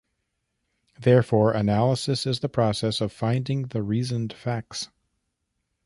Therefore, Analysis is the process of finding the reasoned facts.